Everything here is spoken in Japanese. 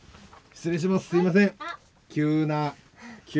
失礼します。